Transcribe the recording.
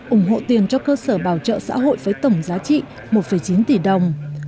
ủng hộ tiền cho cơ sở bảo trợ xã hội với tổng giá trị một chín tỷ đồng